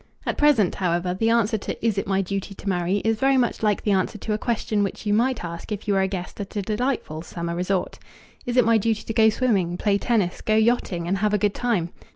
At present, however, the answer to "Is it my duty to marry?" is very much like the answer to a question which you might ask if you were a guest at a delightful summer resort. "Is it my duty to go swimming, play tennis, go yachting, and have a good time?"